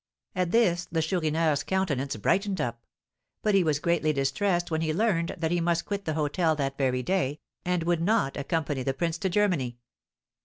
At this the Chourineur's countenance brightened up; but he was greatly distressed when he learned that he must quit the hôtel that very day, and would not accompany the prince to Germany.